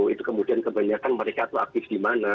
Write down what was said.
itu kemudian kebanyakan mereka itu aktif di mana